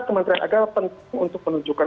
kementerian agama penting untuk menunjukkan